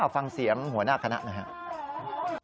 ฟังเสียงหัวหน้าคณะหน่อยครับ